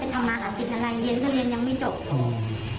แล้วกับเด็กผู้ชายอายุแค่๑๕ไปแล้วจะไปทำงานอาทิตย์อะไร